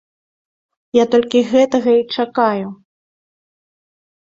Я толькі гэтага і чакаю!